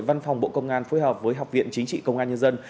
văn phòng bộ công an phối hợp với học viện chính trị công an nhân dân